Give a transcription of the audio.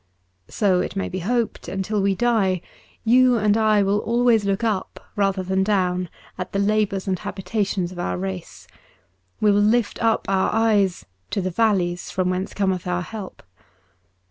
... So it may be hoped, until we die, you and I will always look up rather than down at the labours and habitations of our race ; we will lift up our eyes to the valleys from whence Cometh our help.